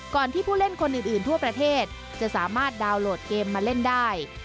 ที่ผู้เล่นคนอื่นทั่วประเทศจะสามารถดาวน์โหลดเกมมาเล่นได้